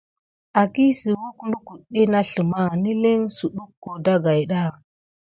Akisuwək lukuɗɗe na sləma nilin suduho dagida.